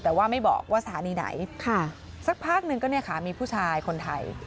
แต่ว่าไม่บอกว่าสถานีไหนสักพักหนึ่งก็เนี่ยค่ะมีผู้ชายคนไทย